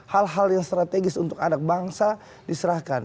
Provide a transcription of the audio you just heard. hal hal yang strategis untuk anak bangsa diserahkan